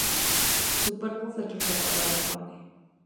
Su cuerpo fue trasladado a la morgue.